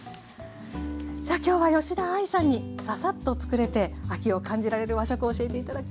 さあ今日は吉田愛さんにササッとつくれて秋を感じられる和食教えて頂きました。